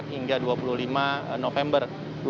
hingga dua puluh lima november dua ribu tujuh belas